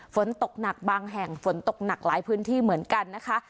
ฝนตกหนักบางแห่งฝนตกหนักหลายพื้นที่เหมือนกันนะคะ